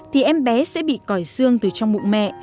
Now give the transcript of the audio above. thì em bé sẽ bị còi xương từ trong bụng mẹ